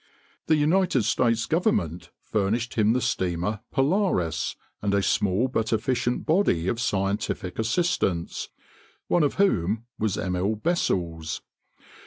The United States government furnished him the steamer Polaris, and a small but efficient body of scientific assistants, one of whom was Emil Bessels.